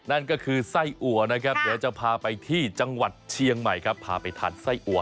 นั่นก็คือไส้อัวนะครับเดี๋ยวจะพาไปที่จังหวัดเชียงใหม่ครับพาไปทานไส้อัว